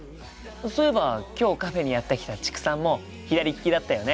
そういえば今日カフェにやって来た知久さんも左利きだったよね。